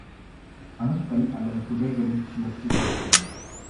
அணுக்கள் அல்லது துகள்களின் சுழற்சி இயக்கம்.